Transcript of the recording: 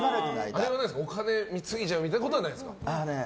お金貢いじゃうみたいなことはないですか？